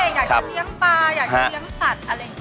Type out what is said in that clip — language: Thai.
อยากจะเลี้ยงปลาอยากจะเลี้ยงสัตว์อะไรอย่างนี้